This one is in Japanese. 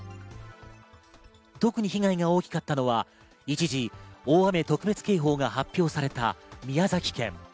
特に被害が大きかったのは一時、大雨特別警報が発表された宮崎県。